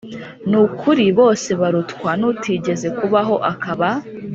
Ni ukuri bose barutwa n utigeze kubaho akaba